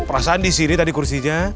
perasaan disini tadi kursinya